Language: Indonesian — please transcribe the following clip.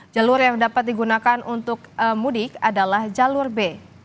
jalur yang dapat digunakan untuk mudik adalah jalur b